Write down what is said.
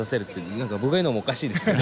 何か僕が言うのもおかしいですけど。